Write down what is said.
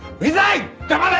黙れ！